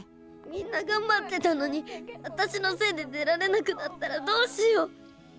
みんながんばってたのにわたしのせいで出られなくなったらどうしよう？